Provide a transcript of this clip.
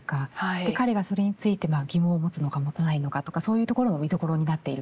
で彼がそれについて疑問を持つのか持たないのかとかそういうところも見どころになっていると思います。